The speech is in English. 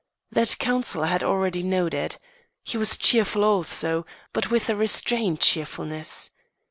That counsel I had already noted. He was cheerful also, but with a restrained cheerfulness.